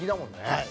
はい。